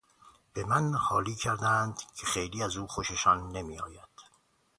به من حالی کردند که خیلی از او خوششان نمیآید.